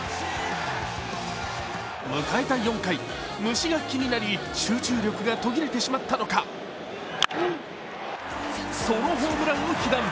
迎えた４回、虫が気になり集中力が途切れてしまったのか、ソロホームランを被弾。